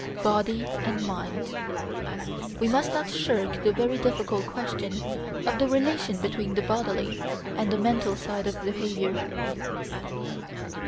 Body and Mind We must not shirk the very difficult question of the relation between the bodily and the mental side of behaviour.